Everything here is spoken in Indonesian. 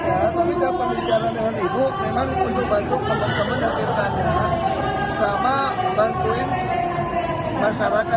saya sama ibu gak pernah ngomongin soal pilkada juga ngomongin soal teman teman